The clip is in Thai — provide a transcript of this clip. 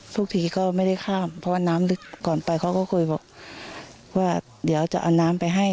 ทุกทีก็ไม่ได้ข้ามเพราะว่าน้ำลึกก่อนไปเขาก็เคยบอกว่าเดี๋ยวจะเอาน้ำไปให้